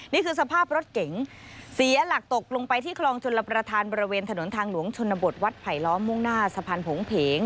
นี่คือสภาพรถเก๋งเสียหลักตกลงไปที่คลองชลประธานบริเวณถนนทางหลวงชนบทวัดไผลล้อมมุ่งหน้าสะพานผงเพง